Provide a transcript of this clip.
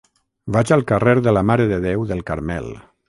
Vaig al carrer de la Mare de Déu del Carmel.